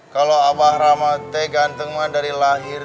kalau abah ramad teh ganteng mah dari lahir